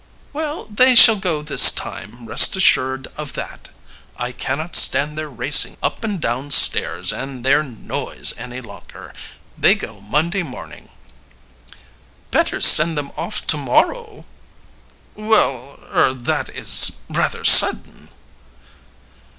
"Well, they shall go this time, rest assured of that. I cannot stand their racing up and down stairs, and their noise, any longer. They go Monday morning." "Better send them off tomorrow." "Well er that is rather sudden."